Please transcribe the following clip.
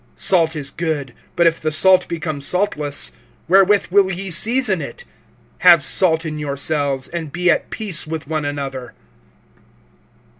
(50)Salt is good; but if the salt become saltless, wherewith will ye season it? Have salt in yourselves, and be at peace with one another.